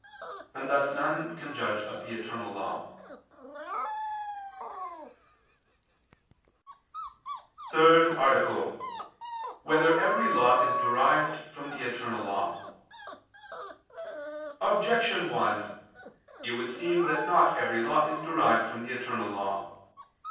And thus none can judge of the eternal law. ________________________ THIRD ARTICLE [I II, Q. 93, Art. 3] Whether Every Law Is Derived from the Eternal Law? Objection 1: It would seem that not every law is derived from the eternal law.